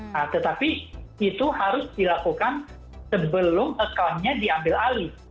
nah tetapi itu harus dilakukan sebelum accountnya diambil alih